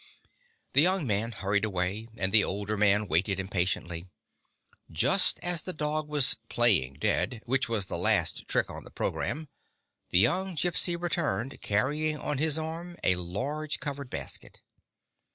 '' The young man hurried away, and the older man waited impatiently. Just as the dog was "playing dead" — which was the last trick on the programme, the young Gypsy returned, carrying on his arm a large covered basket.